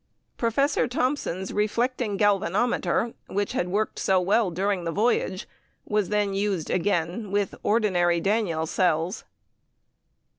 Professor Thomson's reflecting galvanometer, which had worked so well during the voyage, was then used again with ordinary Daniell cells.